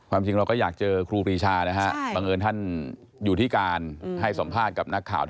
ความจริงเราก็อยากเจอครูปรีชานะฮะ